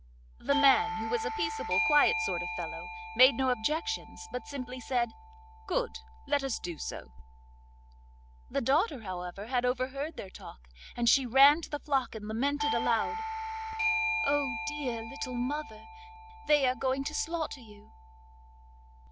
The man, who was a peaceable quiet sort of fellow, made no objections, but simply said: 'Good, let us do so.' The daughter, however, had overheard their talk, and she ran to the flock and lamented aloud: 'Oh, dear little mother, they are going to slaughter you!